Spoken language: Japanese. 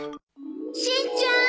しんちゃん。